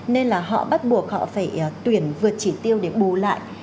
nên là họ bắt buộc họ phải tuyển vượt chỉ tiêu để bù lại